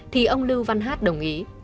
thì ông lưu văn hát đồng ý